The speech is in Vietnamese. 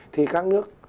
thì các nước